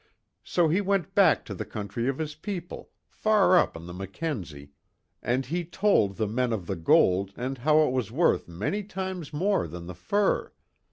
So he went back to the country of his people, far up on the Mackenzie, and he told the men of the gold and how it was worth many times more than the fur.